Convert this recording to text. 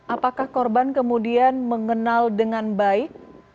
apakah korban kemudian mengenal dengan baik